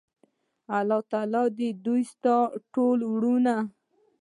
الله تعالی دی ستاسی ټولو ورونو